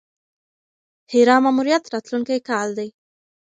هیرا ماموریت راتلونکی کال دی.